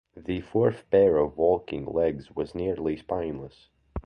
The fourth pair of walking legs was nearly spineless.